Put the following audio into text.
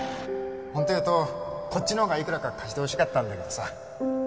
ほんと言うとこっちの方がいくらか貸してほしかったんだけどさ。